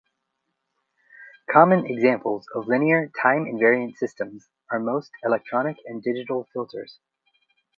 Common examples of linear time-invariant systems are most electronic and digital filters.